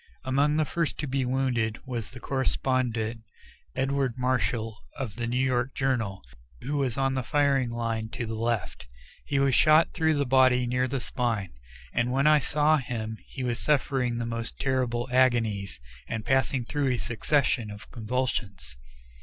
Among the first to be wounded was the correspondent, Edward Marshall, of the New York Journal, who was on the firing line to the left. He was shot through the body near the spine, and when I saw him he was suffering the most terrible agonies, and passing through a succession of convulsions.